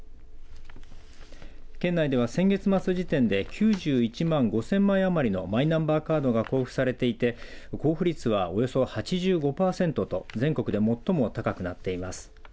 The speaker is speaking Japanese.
県内では先月末時点で９１万５０００枚余りのマイナンバーカードが交付されていて交付率はおよそ８５パーセントと全国で最も高くなっています。